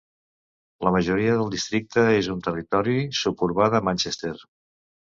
La majoria del districte és un territori suburbà de Manchester.